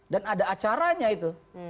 dan ada acaranya itu